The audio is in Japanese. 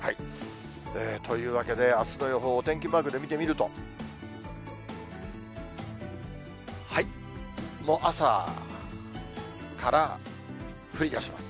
というわけで、あすの予報、お天気マークで見てみると、もう朝から降りだします。